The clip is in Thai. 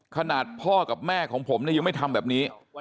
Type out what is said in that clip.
ขนาดพ่อกับแม่ของผมเนี่ยยังไม่ทำแบบนี้